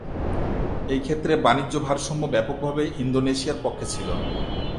এই ক্ষেত্রে বাণিজ্য ভারসাম্য ব্যাপকভাবে ইন্দোনেশিয়ার পক্ষে ছিল।